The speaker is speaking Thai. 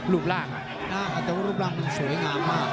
รูปร่างแต่ว่ารูปร่างมันสวยงามมาก